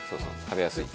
食べやすい。